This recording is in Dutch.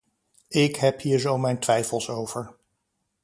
Ik heb hier zo mijn twijfels over.